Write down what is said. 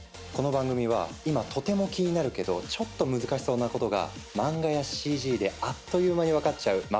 この番組は今とても気になるけどちょっと難しそうなことが漫画やＣＧであっという間に分かっちゃう